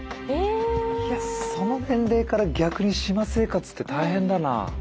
いやその年齢から逆に島生活って大変だな。